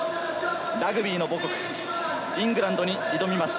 ラグビーの母国イングランドに挑みます。